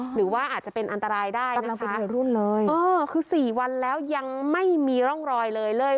หรือว่าอาจจะเป็นอันตรายได้นะคะคือ๔วันแล้วยังไม่มีร่องรอยเลยเลย